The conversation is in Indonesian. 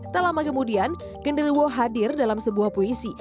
tak lama kemudian genderuwo hadir dalam sebuah puisi